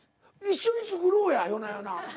一緒に作ろうや夜な夜な。